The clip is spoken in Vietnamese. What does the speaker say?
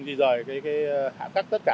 di rời hạng cắt tất cả